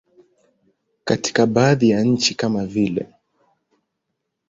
Katika baadhi ya nchi kama vile.